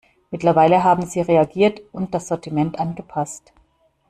Mittlerweile haben sie reagiert und das Sortiment angepasst.